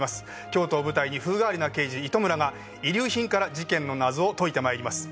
京都を舞台に風変わりな刑事糸村が遺留品から事件の謎を解いてまいります。